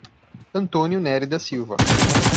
Antônio Nery da Silva